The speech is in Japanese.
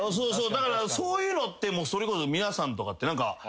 だからそういうのってそれこそ皆さんとかって何か。